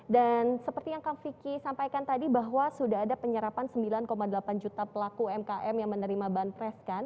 dan seperti yang kang vicky sampaikan tadi bahwa sudah ada penyerapan sembilan delapan juta pelaku mkm yang menerima banpres kan